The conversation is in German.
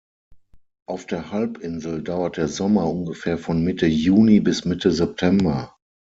Auf der Halbinsel dauert der Sommer ungefähr von Mitte Juni bis Mitte September.